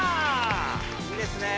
いいですねぇ。